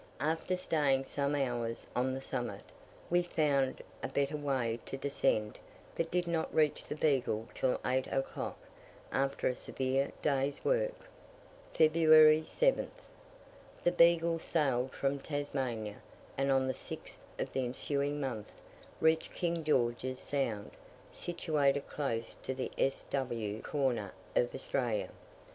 After staying some hours on the summit, we found a better way to descend, but did not reach the Beagle till eight o'clock, after a severe day's work. February 7th. The Beagle sailed from Tasmania, and, on the 6th of the ensuing month, reached King George's Sound, situated close to the S. W. corner of Australia.